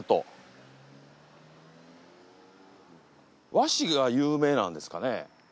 和紙が有名なんですかね？